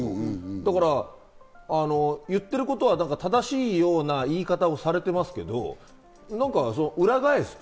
だから言ってることは正しいような言い方をされてますけど、裏返すと、